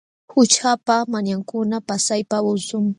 Qućhapa manyankuna pasaypa usum.